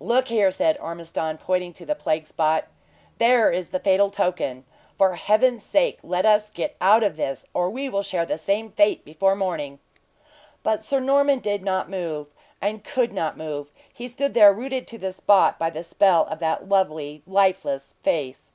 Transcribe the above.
"Look there," said Ormiston pointing to the plague spot. "There is the fatal token! For Heaven's sake let us get out of this, or we will share the same fate before morning!" But Sir Norman did not move could not move; he stood there rooted to the spot by the spell of that lovely, lifeless face.